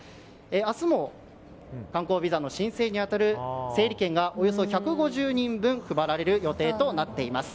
明日も観光ビザの申請に当たる整理券がおよそ１５０人分配られる予定となっています。